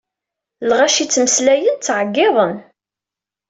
Lɣaci ttmeslayen, ttɛeggiḍen.